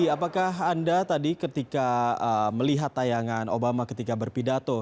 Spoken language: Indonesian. apakah anda tadi ketika melihat tayangan obama ketika berpidato